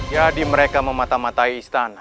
jadi mereka mematamatai istana